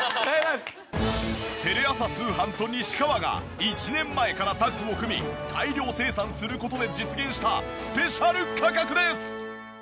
テレ朝通販と西川が１年前からタッグを組み大量生産する事で実現したスペシャル価格です！